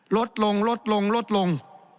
ลดลงลดลงลดลง